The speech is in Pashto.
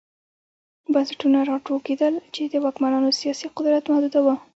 بنسټونه را وټوکېدل چې د واکمنانو سیاسي قدرت محدوداوه.